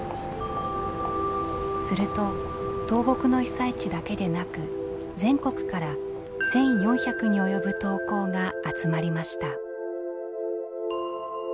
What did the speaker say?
すると東北の被災地だけでなく全国から１，４００に及ぶ投稿が集まりました。